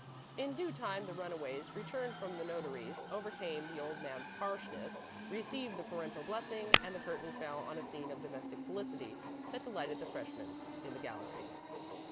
In due time the runaways returned from the notary's, overcame the old man's harshness, received the parental blessing, and the curtain fell on a scene of domestic felicity that delighted the freshmen in the gallery.